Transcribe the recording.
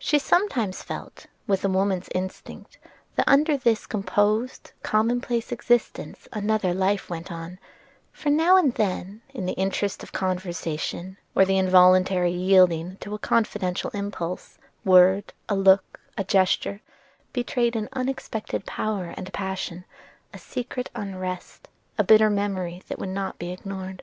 She sometimes felt with a woman's instinct that under this composed, commonplace existence another life went on; for, now and then, in the interest of conversation, or the involuntary yielding to a confidential impulse, a word, a look, a gesture, betrayed an unexpected power and passion, a secret unrest, a bitter memory that would not be ignored.